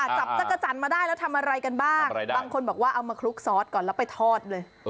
จับจักรจันทร์มาได้แล้วทำอะไรกันบ้างบางคนบอกว่าเอามาคลุกซอสก่อนแล้วไปทอดเลย